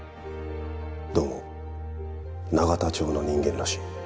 どうも永田町の人間らしい。